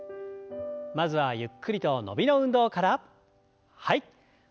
まずはゆっくりと伸びの運動から。